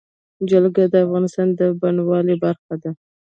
جلګه د افغانستان د بڼوالۍ برخه ده.